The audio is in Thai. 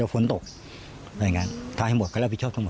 เรื่องความเสียหาย